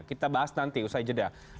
kita bahas nanti usai jeda